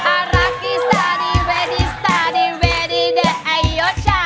อ่ารักอีสตาดิเวดีสตาดิเวดีดิไอโยช่า